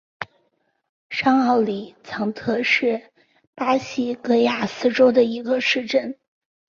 上奥里藏特是巴西戈亚斯州的一个市镇。